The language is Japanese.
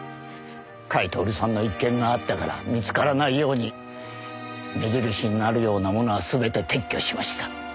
甲斐享さんの一件があったから見つからないように目印になるようなものはすべて撤去しました。